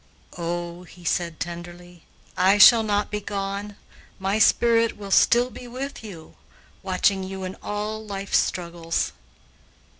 "Oh," said he tenderly, "I shall not be gone; my spirit will still be with you, watching you in all life's struggles."